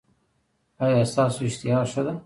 ایا ستاسو اشتها ښه ده؟